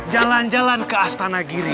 jalan jalan ke astana giri